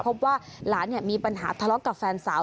เพราะว่าหลานเนี่ยมีปัญหาทะเลาะกับแฟนสาว